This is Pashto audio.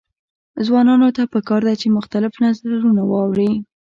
ځوانانو ته پکار ده چې، مختلف نظرونه واوري.